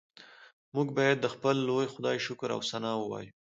موږ باید د خپل لوی خدای شکر او ثنا ووایو